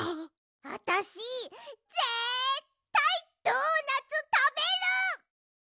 あたしぜったいドーナツたべる！